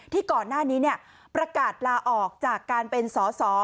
ที่ก่อนหน้านี้ประกาศลาออกจากการเป็นสอสอ